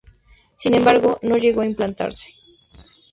Sin embargo, no llegó a implementarse.